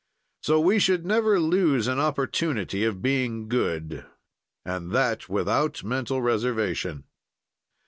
So, we should never lose an opportunity of being good and that without mental reservation.